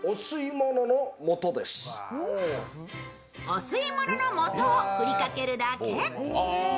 お吸い物のもとを振りかけるだけ。